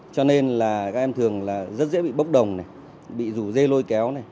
cho nên là các em thường rất dễ bị bốc đồng bị rủ dê lôi kéo